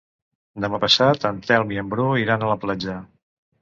Demà passat en Telm i en Bru iran a la platja.